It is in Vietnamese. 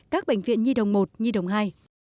các bệnh viện nhi đồng i nhi đồng ii